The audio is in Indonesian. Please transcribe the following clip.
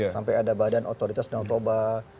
sampai ada badan otoritas danau toba